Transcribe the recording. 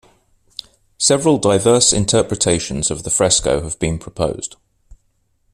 Several diverse interpretations of the fresco have been proposed.